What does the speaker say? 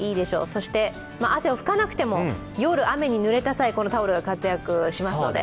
そして汗を拭かなくても夜、雨にぬれた際、このタオルが活躍しますので。